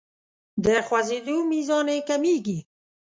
د خوځیدو میزان یې کمیږي.